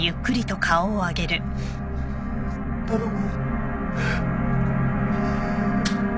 頼む。